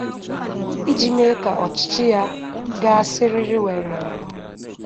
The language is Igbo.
iji mee ka ọchịchị ya gaa siriri-werere.